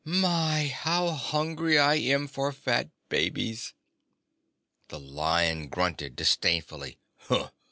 My, how hungry I am for fat babies!" The Lion grunted disdainfully.